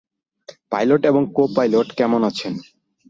Pilot এবং co-pilot কেমন আছেন?